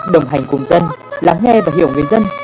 đồng hành cùng dân lắng nghe và hiểu người dân